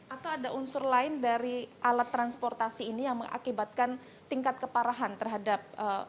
atau ada unsur lain dari alat transportasi ini yang mengakibatkan tingkat keparahan terhadap